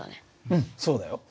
うんそうだよ。